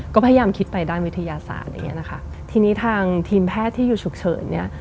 ก็พยายามคิดไปด้านวิทยาศาสตร์อย่างเงี้ยนะคะทีนี้ทางทีมแพทย์ที่อยู่ฉุกเฉินเนี่ย